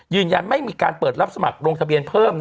ยืนยันไม่มีการเปิดรับสมัครลงทะเบียนเพิ่ม